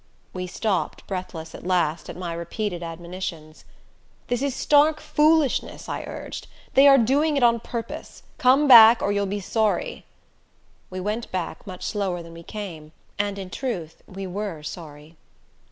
We stopped breathless, at last, at my repeated admonitions. "This is stark foolishness," I urged. "They are doing it on purpose come back or you'll be sorry." We went back, much slower than we came, and in truth we were sorry.